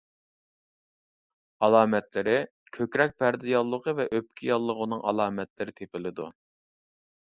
ئالامەتلىرى: كۆكرەك پەردە ياللۇغى ۋە ئۆپكە ياللۇغىنىڭ ئالامەتلىرى تېپىلىدۇ.